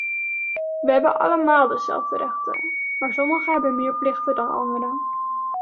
We hebben allemaal dezelfde rechten, maar sommigen hebben meer plichten dan anderen.